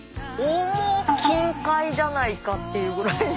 金塊じゃないかっていうぐらい。